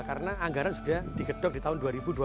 karena anggaran sudah digedok di tahun dua ribu dua puluh